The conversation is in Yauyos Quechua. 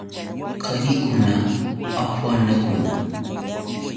Qarikuna afanakun.